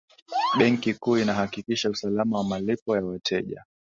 benki kuu inahakikisha usalama wa malipo ya wateja